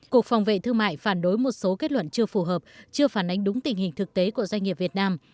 cục phòng vệ thương mại phản đối một số kết luận chưa phù hợp chưa phản ánh đúng tình hình thực tế của doanh nghiệp việt nam